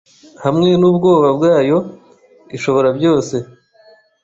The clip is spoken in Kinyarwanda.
hamwe nubwoba bwayo Ishoborabyose